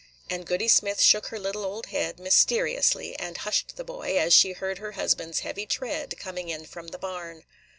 And Goody Smith shook her little old head mysteriously, and hushed the boy, as she heard her husband's heavy tread coming in from the barn.